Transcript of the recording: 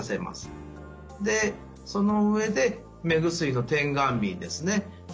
でその上で目薬の点眼瓶ですね